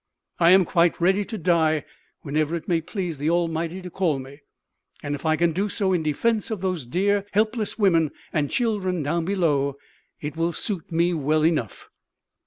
I am quite ready to die whenever it may please the Almighty to call me; and if I can do so in defence of those dear, helpless women and children down below, it will suit me well enough."